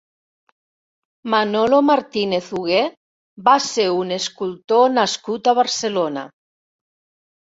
Manolo Martínez Hugué va ser un escultor nascut a Barcelona.